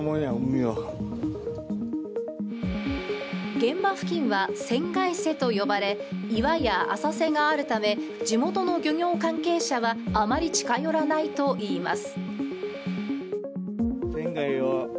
現場付近はセンガイ瀬と呼ばれ、岩や浅瀬があるため地元の漁業関係者はあまり近寄らないといいます。